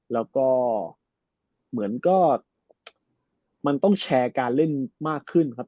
แล้วก็เหมือนก็มันต้องแชร์การเล่นมากขึ้นครับ